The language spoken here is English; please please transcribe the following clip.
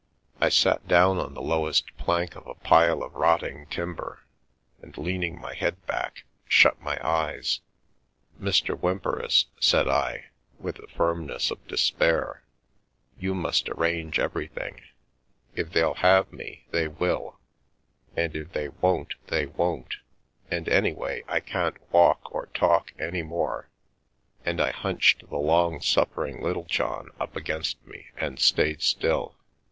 I sat down on the lowest plank of a pile of rotting timber, and leaning my head back, shut my eyes. " Mr. Whymperis," said I, with the firmness of de spair, "you must arrange everything. If they'll have me they will, and if they won't they won't, and anyway, I can't walk or talk any more." And I hunched the long suffering Littlejohn up against me and stayed still.